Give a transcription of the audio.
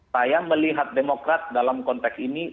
saya melihat demokrat dalam konteks ini